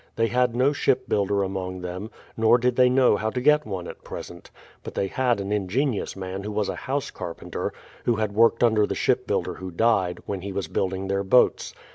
They had no ship builder among them, nor did they know how to get one at present ; but they had an ingenious man who was a house carpenter, who had worked under the ship builder who died, when he was building their boats.